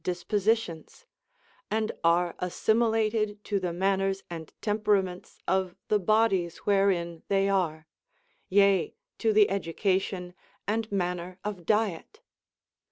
aispositions, and are assimilated to the manners and tem peraments of the bodies wherein they are, yea, to the edu cation and manner of diet.